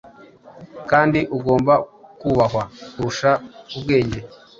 kandi ugomba kubahwa kurusha ubwenge.